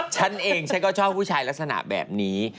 ฉันเองฉันก็ชอบผู้ชายลักษณะแบบนี้